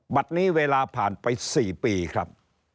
บัตรนี้เวลาผ่านไป๔ปีครับ